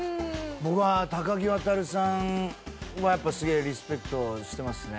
僕は高木渉さんはやっぱすげえリスペクトしてますね。